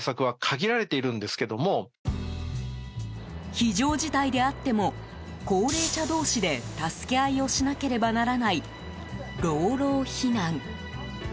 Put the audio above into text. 非常事態であっても高齢者同士で助け合いをしなければならない老老避難。